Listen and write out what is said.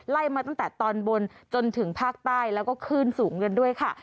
ไล่มาตั้งแต่ตอนบนจนถึงภาคใต้แล้วก็คลื่นสูงกันด้วยค่ะ